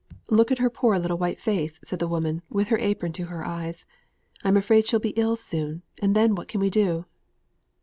"Look at her poor little white face," said the woman, with her apron to her eyes; "I'm afraid she'll be ill soon, and then what can we do?"